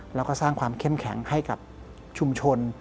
แล้วก็สร้างความเข้มแข็งให้กับชุมชน